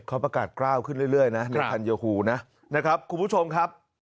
เขาประกาศกล้าวขึ้นเรื่อยนะในพันโยฮูนะครับคุณผู้ชมครับ